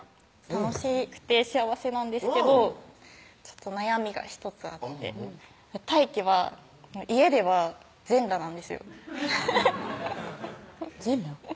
楽しくて幸せなんですけどちょっと悩みが１つあって太貴は家では全裸なんですよ全裸？